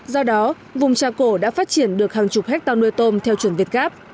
do đó vùng trà cổ đã phát triển được hàng chục hectare nuôi tôm theo chuẩn việt gáp